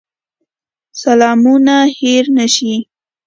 سلامونه هېر نه شي.